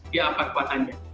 dia apa kekuatannya